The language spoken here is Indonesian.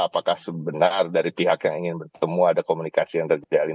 apakah benar dari pihak yang ingin bertemu ada komunikasi yang terjadi